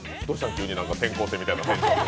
急に転校生みたいな。